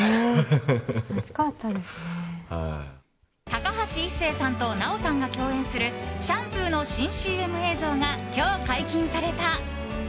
高橋一生さんと奈緒さんが共演するシャンプーの新ＣＭ映像が今日解禁された。